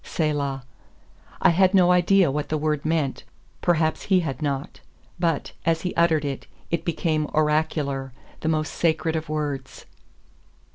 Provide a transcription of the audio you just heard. Selah._" I had no idea what the word meant; perhaps he had not. But, as he uttered it, it became oracular, the most sacred of words.